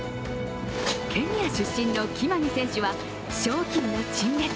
ケニア出身のキマニ選手は商品の陳列。